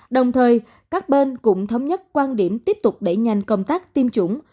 đồng thời các bên cũng thống nhất quan điểm tiếp tục đẩy nhanh công tác tiêm chủng